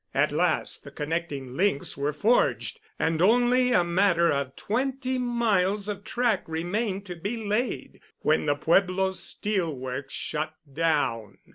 At last the connecting links were forged and only a matter of twenty miles of track remained to be laid—when the Pueblo Steel Works shut down.